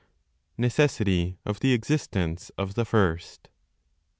NECESSITY OF THE EXISTENCE OF THE FIRST.